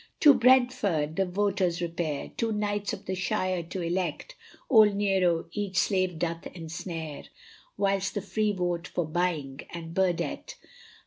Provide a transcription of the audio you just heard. To Brentford the Voters repair, Two Knights of the Shire to elect, Old Nero each Slave doth ensnare, Whilst the Free vote for Byng and Burdett.